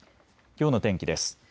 きょうの天気です。